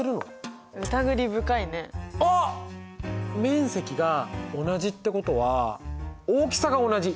面積が同じってことは大きさが同じ。